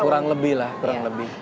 kurang lebih lah kurang lebih